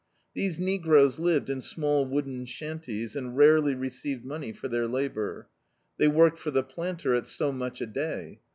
These negroes lived in small wooden shanties, and rarely received money for their labour. They worked for the planter at so much a day.